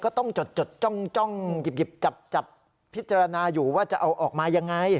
จดจ้องหยิบจับพิจารณาอยู่ว่าจะเอาออกมายังไง